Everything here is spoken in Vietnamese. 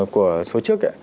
của số trước